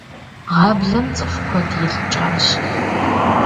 Гъаблэм цӏыху куэд илӏыкӏащ.